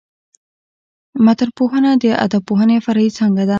متنپوهنه د ادبپوهني فرعي څانګه ده.